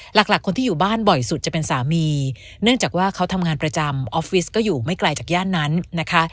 หลักคนที่อยู่บ้านบ่อยสุดจะเป็นสามีเนื่องจากว่าเขาทำงานประจำออฟฟิศก็อยู่ไม่ไกลจากย่านนั้นนะคะ